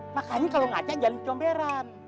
makanya kalo ngaca jangan comberan